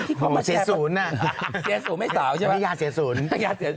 ที่ความห้าเส้นยาเสียสูญ